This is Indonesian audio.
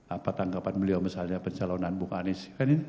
apa tanggapan beliau misalnya pencalonan buk anis